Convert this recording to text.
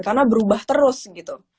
karena berubah terus gitu